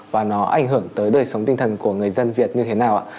và nó ảnh hưởng tới đời sống tinh thần của người dân việt như thế nào ạ